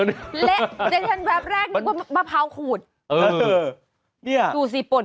อิ่งดีแค่ขนมจีน